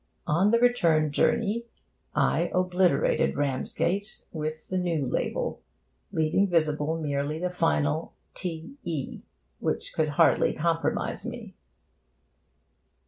On the return journey, I obliterated Ramsgate with the new label, leaving visible merely the final TE, which could hardly compromise me.